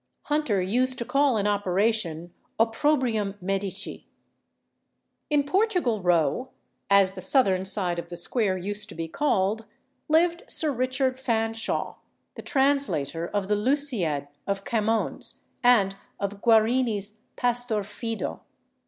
Hunter used to call an operation "opprobrium medici." In Portugal Row, as the southern side of the square used to be called, lived Sir Richard Fanshawe, the translator of the Lusiad of Camoens, and of Guarini's Pastor Fido.